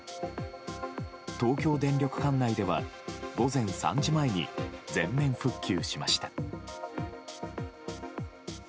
東京電力管内では午前３時前に全面復旧しました。